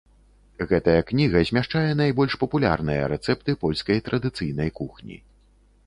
Гэтая кніга змяшчае найбольш папулярныя рэцэпты польскай традыцыйнай кухні.